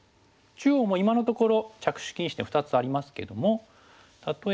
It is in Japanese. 中央も今のところ着手禁止点２つありますけども例えば。